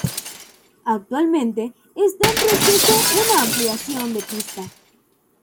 Actualmente está en proceso una ampliación de pista.